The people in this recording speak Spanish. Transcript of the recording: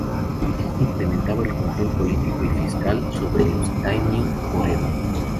Esto incrementaba el control político y fiscal sobre los daimio por Edo.